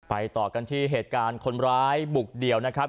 ต่อกันที่เหตุการณ์คนร้ายบุกเดี่ยวนะครับ